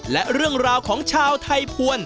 และเรื่องราวของชาวไทยภวร